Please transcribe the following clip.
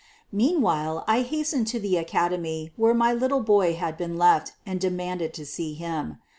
Meanwhile I hastened to the academy where my little boy had been left and demanded to see him.